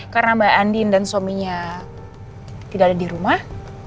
karena mbak andin dan suaminya tidak ada di rumah